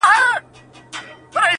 دا د یزید او کربلا لښکري،